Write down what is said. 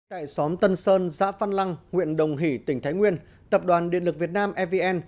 tại xóm tân sơn giã phan lăng nguyện đồng hỷ tỉnh thái nguyên tập đoàn điện lực việt nam fvn